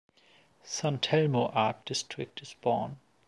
San Telmo Art District is born.